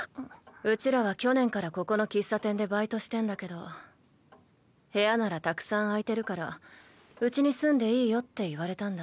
うちらは去年からここの喫茶店でバイトしてんだけど部屋ならたくさん空いてるからうちに住んでいいよって言われたんだ。